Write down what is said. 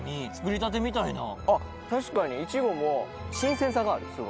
あっ確かにイチゴも新鮮さがあるすごい。